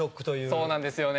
そうなんですよね。